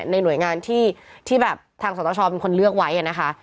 ในหน่วยงานที่แบบทางสตชเป็นคนเลือกไว้นะคะ